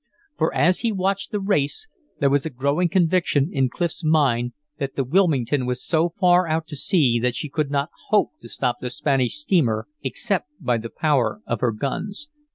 For, as he watched the race, there was a growing conviction in Clif's mind that the Wilmington was so far out to sea that she could not hope to stop the Spanish steamer except by the power of her guns.